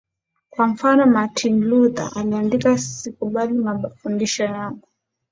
Kwa mfano Martin Luther aliandika Sikubali mafundisho yangu